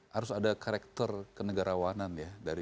harus ada karakter kenegarawanan ya